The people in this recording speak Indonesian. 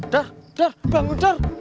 dar dar bangun dar